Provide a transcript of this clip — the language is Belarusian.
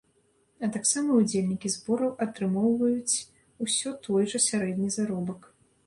А таксама ўдзельнікі збораў атрымоўваюць усё той жа сярэдні заробак.